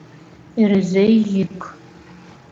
Ӧрӧзӧй йӱк.